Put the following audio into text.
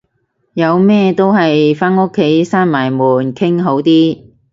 有咩都係返屋企閂埋門傾好啲